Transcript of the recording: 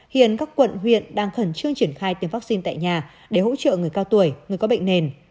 hiện các quận huyện đang khẩn trương triển khai tiêm vaccine tại nhà để hỗ trợ người cao tuổi người có bệnh nền